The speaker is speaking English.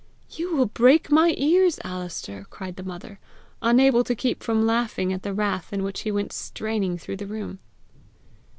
"You will break my ears, Alister!" cried the mother, unable to keep from laughing at the wrath in which he went straining through the room.